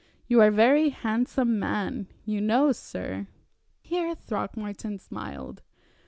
You are a very handsome man, you know, sir " Here Throckmorton smiled.